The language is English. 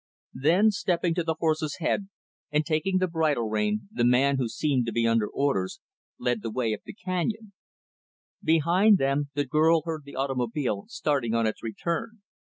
Then, stepping to the horse's head and taking the bridle rein, the man who seemed to be under orders, led the way up the canyon. Behind them, the girl heard the automobile starting on its return.